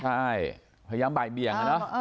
ใช่พยายามบ่ายเบี่ยงนะ